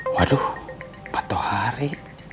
waduh patuh hari